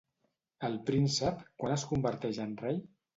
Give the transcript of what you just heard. El príncep, quan es converteix en rei?